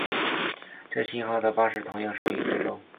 这型号的巴士同样售予非洲。